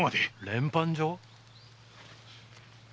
連判状？